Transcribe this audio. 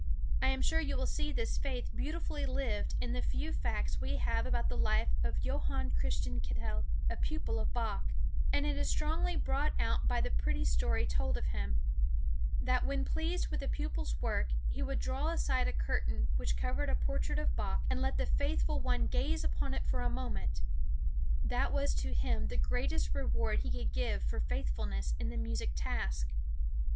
I am sure you will see this faith beautifully lived in the few facts we have about the life of Johann Christian Kittel, a pupil of Bach, and it is strongly brought out by the pretty story told of him, that when pleased with a pupil's work he would draw aside a curtain which covered a portrait of Bach and let the faithful one gaze upon it for a moment. That was to him the greatest reward he could give for faithfulness in the music task.